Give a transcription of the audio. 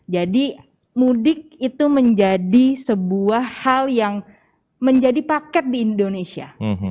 jadi mudik itu menjadi sebuah hal yang menjadi paket di indonesia